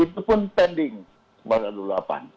itu pun pending pasal dua puluh delapan ya